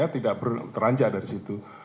tidak berteranja dari situ